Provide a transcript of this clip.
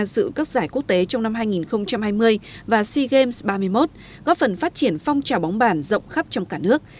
dự các giải quốc tế trong năm hai nghìn hai mươi và sea games ba mươi một góp phần phát triển phong trào bóng bản rộng khắp trong cả nước